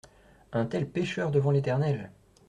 Un tel pécheur devant l’Eternel !